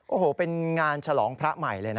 โอ้โหเป็นงานฉลองพระใหม่เลยนะ